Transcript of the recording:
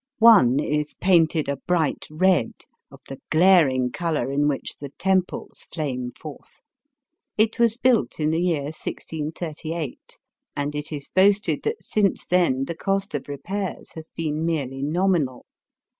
One is painted a bright red, of the glaring colour in which the temples flame forth. It was built in the year 1638, and it is boasted that since then the cost of repairs has been merely nominal.